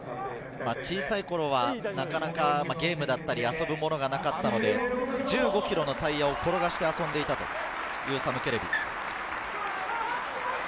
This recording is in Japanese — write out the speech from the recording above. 小さい頃はなかなかゲームだった遊ぶものがなかったので、１５ｋｇのタイヤを転がして遊んでいたというサム・ケレビ。